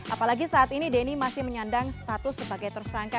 apalagi saat ini denny masih menyandang status sebagai tersangka